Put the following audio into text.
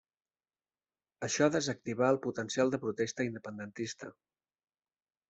Això desactivà el potencial de protesta independentista.